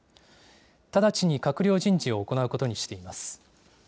直ちに閣僚人事を行うことにしています。